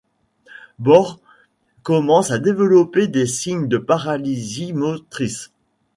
Baur commence à développer des signes de paralysie motrice.